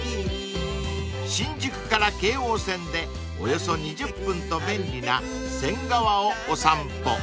［新宿から京王線でおよそ２０分と便利な仙川をお散歩］